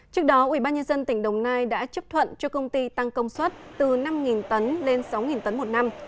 trước đó ubnd tỉnh đồng nai đã chấp thuận cho công ty tăng công suất từ năm tấn lên sáu tấn một năm